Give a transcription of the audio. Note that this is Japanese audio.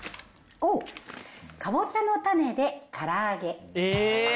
おう、かぼちゃの種でから揚げ。